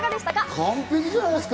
完璧じゃないですか！